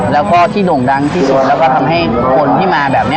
แล้วก็ที่โด่งดังที่สุดแล้วก็ทำให้คนที่มาแบบนี้